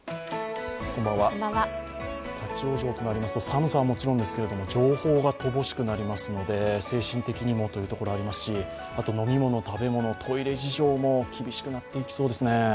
立往生となりますと寒さはもちろんですけれども情報が乏しくなりますので、精神的にもというところがありますし、あと飲み物、食べ物トイレ事情も厳しくなっていきそうですね。